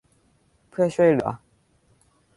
เพื่อช่วยเหลือ